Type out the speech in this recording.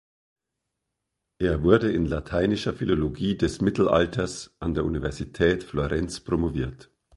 Er wurde in lateinischer Philologie des Mittelalters an der Universität Florenz promoviert.